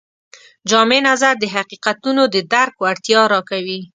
جامع نظر د حقیقتونو د درک وړتیا راکوي.